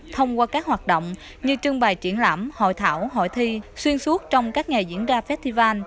thông qua các hoạt động như trưng bày triển lãm hội thảo hội thi xuyên suốt trong các ngày diễn ra festival